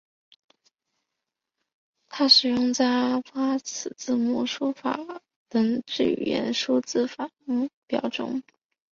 它使用在阿布哈兹字母书写法等之语言的书写法字母表中。